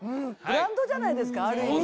ブランドじゃないですかある意味。